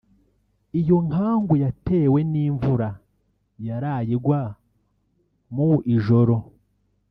Iyo nkangu yatewe n’imvura yaraye igwa mu ijoro